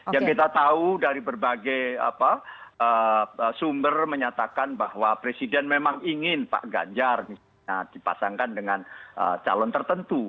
yang kita tahu dari berbagai sumber menyatakan bahwa presiden memang ingin pak ganjar misalnya dipasangkan dengan calon tertentu